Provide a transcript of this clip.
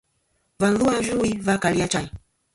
Và lu a Yvɨwi va kali Achayn.